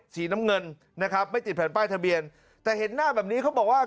สีน้ำเงินนะครับไม่ติดแผ่นป้ายทะเบียนแต่เห็นหน้าแบบนี้เขาบอกว่า